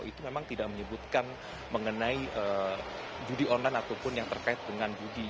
itu memang tidak menyebutkan mengenai judi online ataupun yang terkait dengan judi